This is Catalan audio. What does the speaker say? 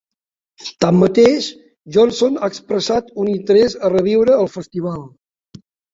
Tanmateix, Johnson ha expressat un interès a reviure el festival.